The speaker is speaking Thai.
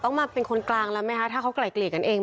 ต้องมาเป็นคนกลางแล้วไหมฮะถ้าเขากล่ายเกลียดกันเอง